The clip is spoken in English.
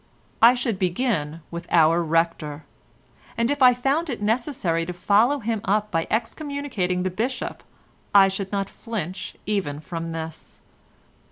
I should begin with our Rector, and if I found it necessary to follow him up by excommunicating the Bishop, I should not flinch even from this.